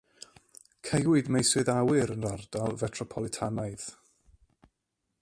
Caewyd meysydd awyr yn yr ardal fetropolitanaidd.